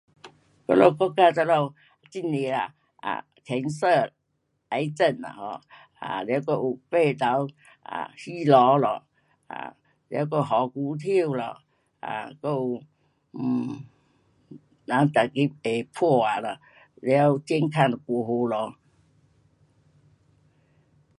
我们国家这里很多啊 cancer 癌症啦 um，了还有肺朥，肺朥咯，um 了还有百日咳咯，um 还有 um 人每个就 [unintelligible] 了健康就不好咯。